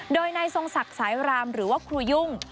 โดยนายทรงศักดิ์สายรามหรือว่าครูยุ่ง